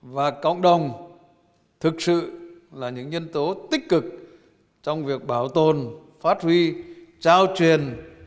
và cộng đồng thực sự là những nhân tố tích cực trong việc bảo tồn phát huy trao truyền